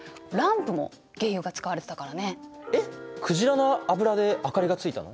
鯨の油で明かりがついたの？